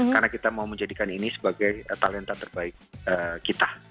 karena kita mau menjadikan ini sebagai talenta terbaik kita